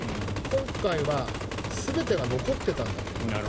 今回は全てが残っていたんだと思います。